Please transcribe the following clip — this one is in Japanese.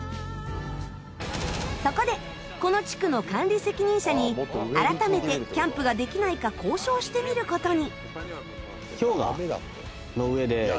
そこでこの地区の管理責任者に改めてキャンプができないか交渉してみる事に。